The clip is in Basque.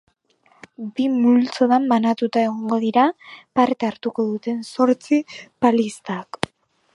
Bi multzotan banatuta egongo dira parte hartuko duten zortzi palistak.